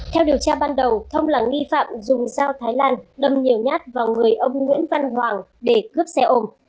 theo điều tra ban đầu thông là nghi phạm dùng dao thái lan đâm nhiều nhát vào người ông nguyễn văn hoàng để cướp xe ôm